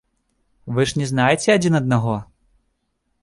Вы ж не знаеце адзін аднаго?